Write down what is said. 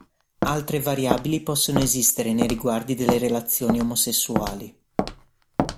Altre variabili possono esistere nei riguardi delle relazioni omosessuali.